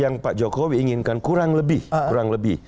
yang pak jokowi inginkan kurang lebih